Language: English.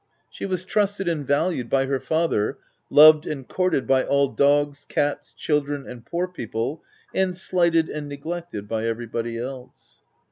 She was trusted and valued by her father, loved and courted by all dogs, cats, chil dren, and poor people, and slighted and neg lected by everybody else.